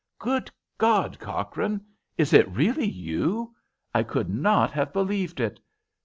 "Good God, Cochrane, is it really you? I could not have believed it.